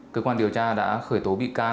cơ quan điều tra đã khởi tố bị can